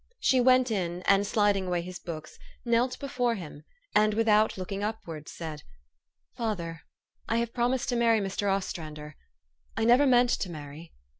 She went in, and, sliding away his books, knelt beside him, and, without looking upwards, said, " Father, I have promised to marry Mr. Ostrander. I never meant to marry."